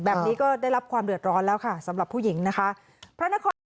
แบบนี้ก็ได้รับความเดือดร้อนแล้วค่ะสำหรับผู้หญิงนะคะพระนคร